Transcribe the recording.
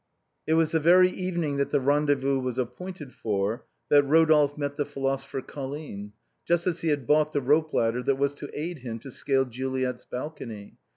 It was the very evening that the rendezvous was ap pointed for that Rodolphe met the philosopher Colline, just as he had bought the rope ladder that was to aid him to scale Juliet's balcony.